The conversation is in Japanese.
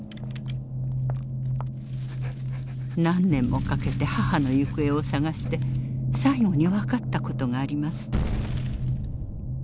何年もかけて母の行方を捜して最後に分かったことがあります。